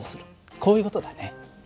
こういう事だね。